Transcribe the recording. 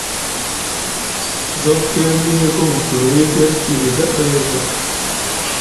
Zɔ́k gɛ́r-wí hégɔ́ hukulu héé gɛ́r firi gá ɓɛɛ gɔ.